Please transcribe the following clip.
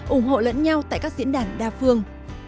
ủng hộ lẫn nhau tại các diễn đàn đa phương